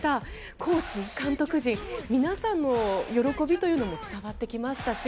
コーチ、監督陣皆さんの喜びというのも伝わってきましたし